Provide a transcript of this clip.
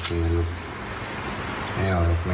ไม่เอาลูกไม่เอาลูก